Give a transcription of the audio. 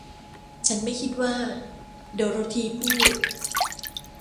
ฉันไม่คิดว่า โดโรธีพูด